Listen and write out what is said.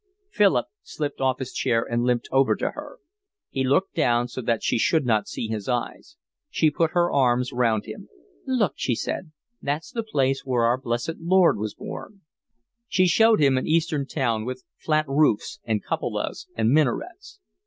Philip slipped off his chair and limped over to her. He looked down so that she should not see his eyes. She put her arms round him. "Look," she said, "that's the place where our blessed Lord was born." She showed him an Eastern town with flat roofs and cupolas and minarets.